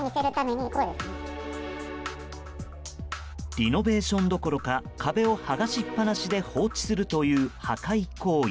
リノベーションどころか壁を剥がしっぱなしで放置するという破壊行為。